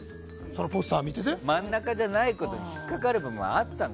真ん中じゃないことで引っ掛かるものはあったの？